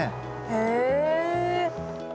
へえ。